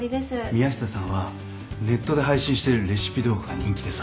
宮下さんはネットで配信してるレシピ動画が人気でさ。